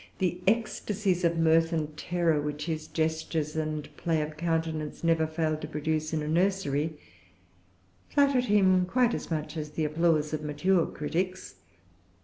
The ecstasies of mirth and terror, which his gestures and play of countenance never failed to produce in a nursery, flattered him quite as much as the applause of mature critics.